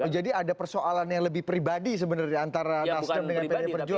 jadi ada persoalan yang lebih pribadi sebenarnya antara nasdem dengan pdip